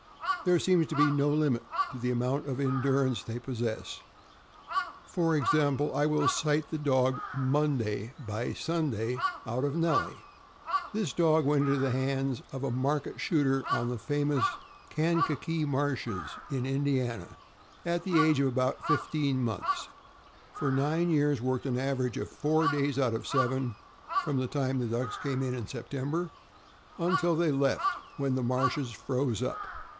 There seems to be no limit to the amount of endurance they possess. For example, I will cite the dog Monday, by Sunday, out of Nellie. This dog went into the hands of a market shooter on the famous Kankakee marshes, in Indiana, at the age of about fifteen months; for nine years worked on an average four days out of seven, from the time ducks came, in September, until they left, when the marshes froze up.